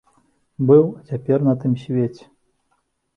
Быў, а цяпер на тым свеце!